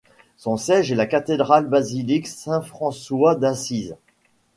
Son siège est la cathédrale-basilique Saint-François-d'Assise.